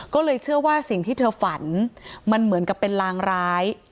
ก็เลยเชื่อว่าสิ่งที่เธอฝันมันเหมือนกับเป็นลางร้าย